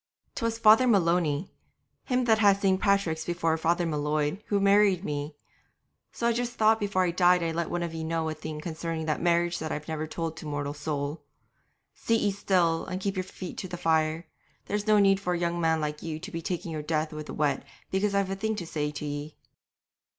''Twas Father Maloney, him that had St. Patrick's before Father M'Leod, who married me; so I just thought before I died I'd let one of ye know a thing concerning that marriage that I've never told to mortal soul. Sit ye still and keep your feet to the fire; there's no need for a young man like you to be taking your death with the wet because I've a thing to say to ye.'